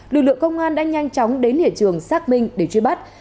lực lượng công an đã nhanh chóng đến hiện trường xác minh để truy bắt